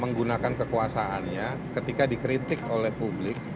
menggunakan kekuasaannya ketika dikritik oleh publik